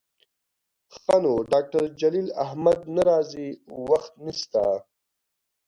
ښه نو ډاکتر جلیل احمد نه راځي، وخت نسته